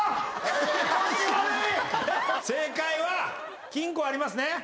正解は金庫ありますね？